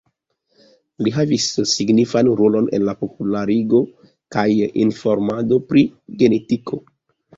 Li havis signifan rolon en la popularigo kaj informado pri genetiko.